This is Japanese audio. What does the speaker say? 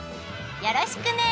よろしくね！